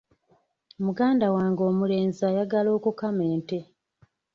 Muganda wange omulenzi ayagala okukama ente.